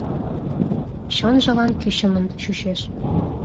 Чонжылан кӱчымын чучеш.